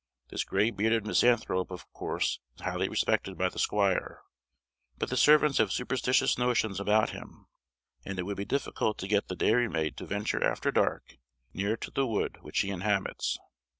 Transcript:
This gray bearded misanthrope of course is highly respected by the squire, but the servants have superstitious notions about him; and it would be difficult to get the dairymaid to venture after dark near to the wood which he inhabits.